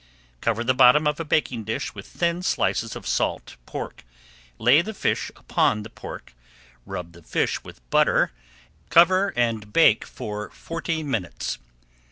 Cover the bottom of a baking dish with thin slices of salt pork, lay the fish upon the pork, rub the fish with butter, cover and bake for forty minutes.